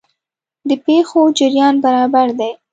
د پېښو جریان برابر دی.